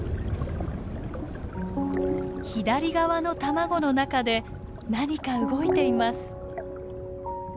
左側の卵の中で何か動いています。